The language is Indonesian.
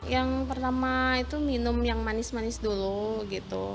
yang pertama itu minum yang manis manis dulu gitu